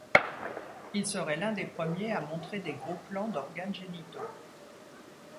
Il serait l'un des premiers à montrer des gros plans d'organes génitaux.